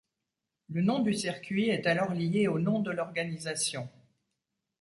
Le nom du circuit est alors lié au nom de l'organisation.